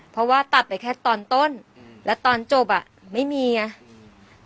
เพราะว่าตัดไปแค่ตอนต้นอืมแล้วตอนจบอ่ะไม่มีไง